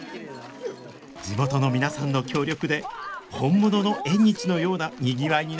地元の皆さんの協力で本物の縁日のようなにぎわいになりました